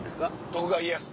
徳川家康。